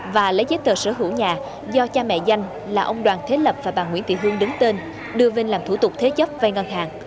và lấy giấy tờ sở hữu nhà do cha mẹ danh là ông đoàn thế lập và bà nguyễn thị hương đứng tên đưa bên làm thủ tục thế chấp vay ngân hàng